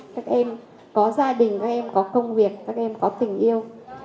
các em có gia đình các em có công việc các em có tình yêu